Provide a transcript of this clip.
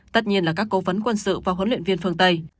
tất nhiên là các cố vấn quân sự và huấn luyện viên phương tây